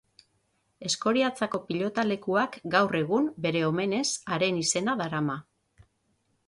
Eskoriatzako pilotalekuak gaur egun, bere omenez, haren izena darama.